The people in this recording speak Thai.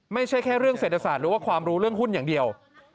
ไม่ใช่แค่เรื่องเศรษฐศาสตร์หรือว่าความรู้เรื่องหุ้นอย่างเดียว